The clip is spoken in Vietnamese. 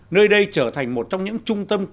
nơi đây trở thành một trong những trung tâm